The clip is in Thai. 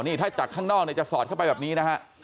นี่ถ้าจากข้างนอกเนี่ยจะสอดเข้าไปแบบนี้นะฮะ